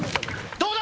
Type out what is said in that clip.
どうだ？